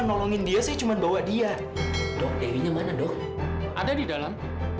nolongin dia saya cuma bawa dia dokternya mana dok ada di dalam